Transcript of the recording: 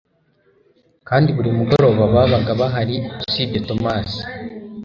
kandi buri mugoroba babaga bahari usibye Tomasi.